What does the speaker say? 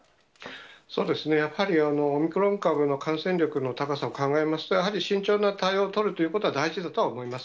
そうですね、やはりオミクロン株の感染力の高さを考えますと、やはり慎重な対応を取るということは大事だとは思います。